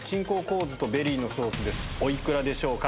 お幾らでしょうか？